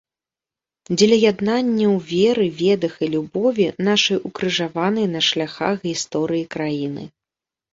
Дзеля яднання ў веры, ведах і любові нашай укрыжаванай на шляхах гісторыі краіны.